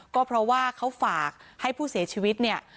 ก็เพราะว่าเขาฝากให้ผู้เสียชีวิตเนี่ย